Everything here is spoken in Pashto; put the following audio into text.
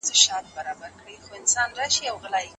موږ په کتابتون کې نوي کتابونه لولو.